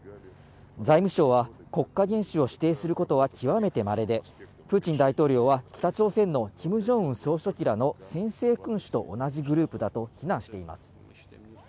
財務省は国家元首を指定することは極めて稀で、プーチン大統領は北朝鮮のキム・ジョンウン総書記らの専制君主と同じグループだと非難しました。